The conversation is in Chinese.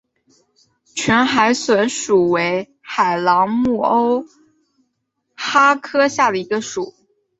全海笋属为海螂目鸥蛤科下的一个属。